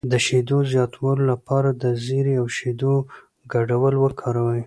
د شیدو زیاتولو لپاره د زیرې او شیدو ګډول وکاروئ